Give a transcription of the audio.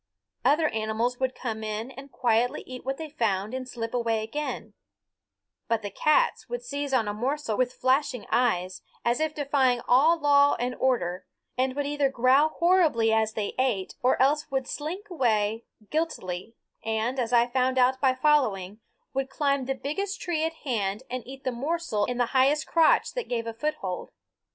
Other animals would come in and quietly eat what they found and slip away again; but the cats would seize on a morsel with flashing eyes, as if defying all law and order, and would either growl horribly as they ate or else would slink away guiltily and, as I found out by following, would climb the biggest tree at hand and eat the morsel in the highest crotch that gave a foothold.